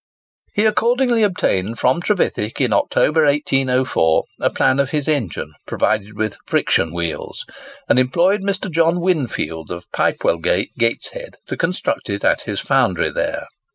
He accordingly obtained from Trevithick, in October, 1804, a plan of his engine, provided with "friction wheels," and employed Mr. John Whinfield, of Pipewellgate, Gateshead, to construct it at his foundry there.